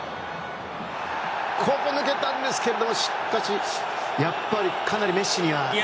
ここ抜けたんですけどしかし、やっぱりかなりメッシには。